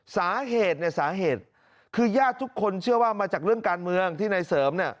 สาเหตุคือญาติทุกคนเชื่อว่ามาจากเรื่องการเมืองที่ในเสริม